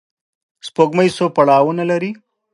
سپوږمۍ څو پړاوونه لري